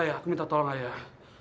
ayah aku minta tolong ayah